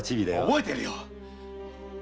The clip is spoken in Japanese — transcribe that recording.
覚えてるよっ！